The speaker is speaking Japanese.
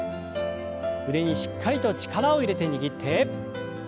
腕にしっかりと力を入れて握って。